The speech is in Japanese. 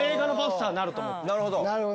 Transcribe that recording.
なるほど。